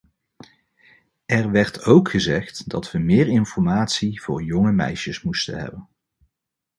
Er werd ook gezegd dat we meer informatie voor jonge meisjes moesten hebben.